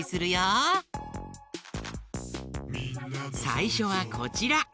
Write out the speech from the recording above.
さいしょはこちら。